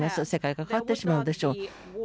世界が変わってしまうでしょう。